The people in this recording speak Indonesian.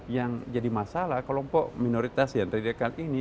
yang jadi masalah kelompok minoritas yang radikal ini